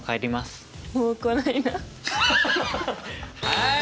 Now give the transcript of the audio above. はい。